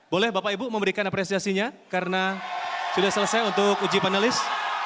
boleh bapak ibu memberikan apresiasinya karena sudah selesai untuk uji panelis